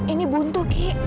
ini buntu gi